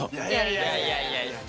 いやいやいやいや。